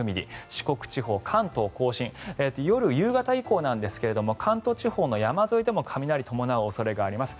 四国地方、関東・甲信夜、夕方以降なんですが関東地方の山沿いでも雷を伴う恐れがあります。